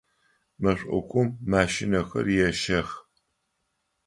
Мэшӏокум машинэхэр ещэх.